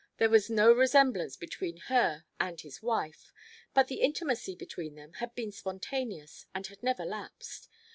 There was no resemblance between her and his wife, but the intimacy between them had been spontaneous and had never lapsed.